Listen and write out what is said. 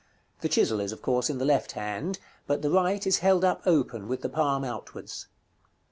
The chisel is, of course, in the left hand, but the right is held up open, with the palm outwards.